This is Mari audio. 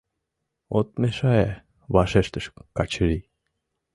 — От мешае, — вашештыш Качырий.